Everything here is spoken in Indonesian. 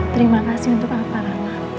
terima kasih untuk apa rana